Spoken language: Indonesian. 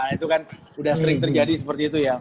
itu kan sudah sering terjadi seperti itu ya